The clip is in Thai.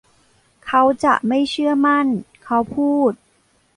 เขาจะไม่เชื่อมั่นเขาพูด